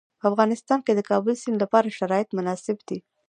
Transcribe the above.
په افغانستان کې د کابل سیند لپاره شرایط مناسب دي.